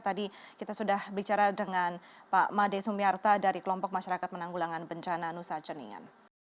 tadi kita sudah bicara dengan pak made sumiarta dari kelompok masyarakat penanggulangan bencana nusa ceningan